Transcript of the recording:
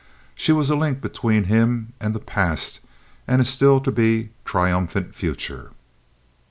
She was a link between him and the past and a still to be triumphant future.